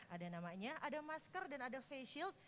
ada namanya ada masker dan ada face shield